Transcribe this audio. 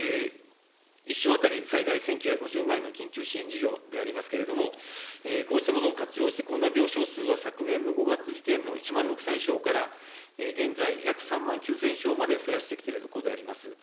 １床当たり最大１９５０万円の緊急支援事業でありますけれども、こうしたものを活用して、コロナ病床数は昨年の５月時点の１万６０００床から、現在、約３万９０００床まで増やしてきているところであります。